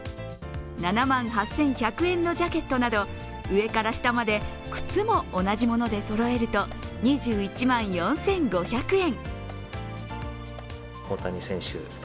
７万８１００円のジャケットなど上から下まで靴も同じものでそろえると、２１万４５００円。